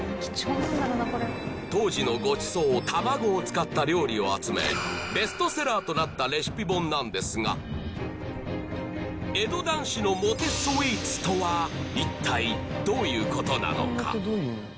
当時のごちそう卵を使った料理を集めベストセラーとなったレシピ本なんですが一体どういうことなのか？